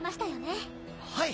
はい！